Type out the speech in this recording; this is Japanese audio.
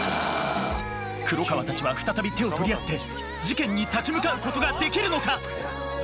黒川たちは再び手を取り合って事件に立ち向かうことができるのか。